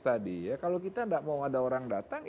tadi ya kalau kita tidak mau ada orang datang